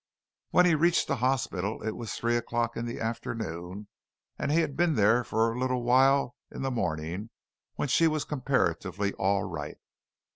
When he reached the hospital it was three o'clock in the afternoon, and he had been there for a little while in the morning when she was comparatively all right.